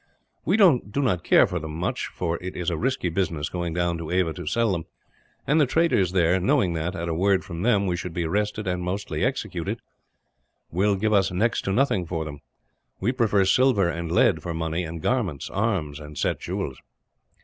We do not care for them much, for it is a risky business going down to Ava to sell them; and the traders there, knowing that, at a word from them, we should be arrested and most likely executed, will give us next to nothing for them. We prefer silver and lead for money; and garments, arms, and set jewels.